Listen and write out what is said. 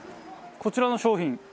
こちらの商品